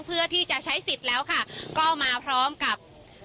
เพื่อที่จะใช้สิทธิ์แล้วค่ะก็มาพร้อมกับ